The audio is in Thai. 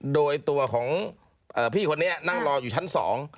โดยตัวของพี่คนนี้นั่งรออยู่ชั้นสอง